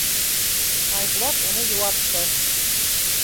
Айбулат уны йыуатты: